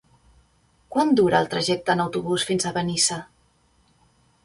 Quant dura el trajecte en autobús fins a Benissa?